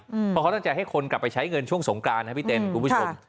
เพราะเขาตั้งใจให้คนกลับไปใช้เงินช่วงสงกรานครับพี่เต้นคุณผู้ชม